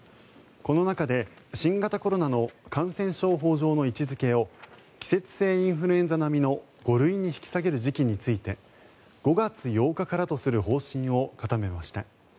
この中で新型コロナの感染症法上の位置付けを季節性インフルエンザ並みの５類に引き下げる時期について５月８日からとする方針を固めました。